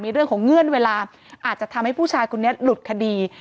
เรื่องของเงื่อนเวลาอาจจะทำให้ผู้ชายคนนี้หลุดคดี